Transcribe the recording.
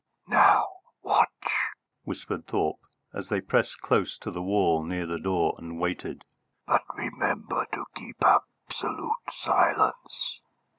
"Now watch!" whispered Thorpe, as they pressed close to the wall near the door and waited. "But remember to keep absolute silence.